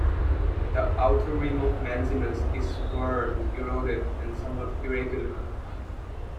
The outer rim of Manzinus is worn, eroded, and somewhat irregular.